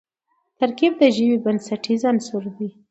ترکیب د ژبي بنسټیز عنصر دئ.